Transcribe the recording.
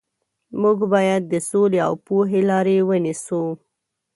موږ باید د سولې او پوهې لارې ونیسو.